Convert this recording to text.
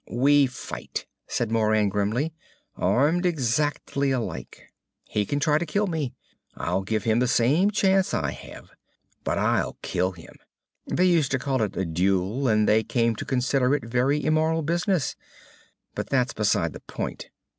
"We fight," said Moran grimly. "Armed exactly alike. He can try to kill me. I'll give him the same chance I have. But I'll kill him. They used to call it a duel, and they came to consider it a very immoral business. But that's beside the point.